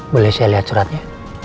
boleh saya lihat suratnya